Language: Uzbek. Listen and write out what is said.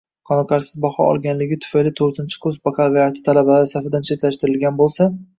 qoniqarsiz baho olganligi tufayli to'rtinchi kurs bakalavriati talabalar safidan chetlashtirilgan bo‘lsa